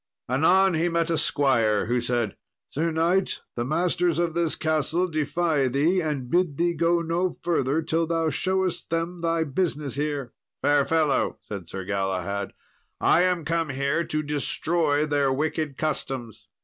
Anon he met a squire, who said, "Sir knight, the masters of this castle defy thee, and bid thee go no further, till thou showest them thy business here." "Fair fellow," said Sir Galahad, "I am come here to destroy their wicked customs."